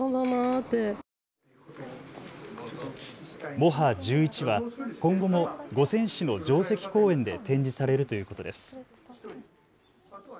モハ１１は今後も五泉市の城跡公園で展示されるということです。